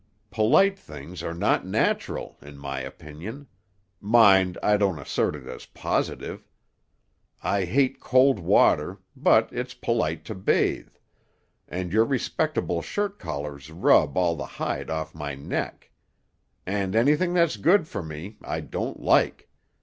Polite things are not natural, in my opinion; mind I don't assert it as positive. I hate cold water, but it's polite to bathe; and your respectable shirt collars rub all the hide off my neck. And anything that's good for me, I don't like.